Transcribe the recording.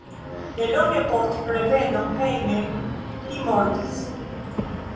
Nelonge post reveno hejmen li mortis.